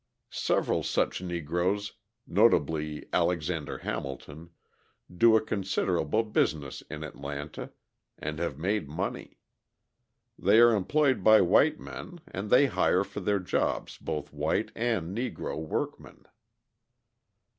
Several such Negroes, notably Alexander Hamilton, do a considerable business in Atlanta, and have made money. They are employed by white men, and they hire for their jobs both white and Negro workmen.